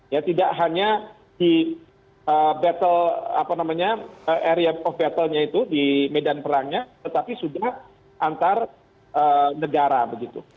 ya tidak hanya di battle apa namanya area of battle nya itu di medan perangnya tetapi sudah antar negara begitu